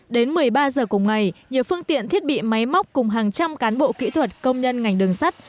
đến một mươi ba h cùng ngày nhiều phương tiện thiết bị máy móc cùng hàng trăm cán bộ kỹ thuật công nhân ngành đường sắt